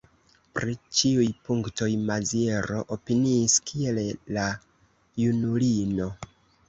Pri ĉiuj punktoj Maziero opiniis kiel la junulino.